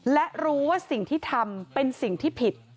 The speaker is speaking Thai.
และรู้ว่าสิ่งที่ทำเป็นสิ่งที่ผิด